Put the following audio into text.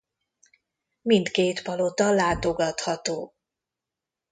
Mindkét palota látogatható.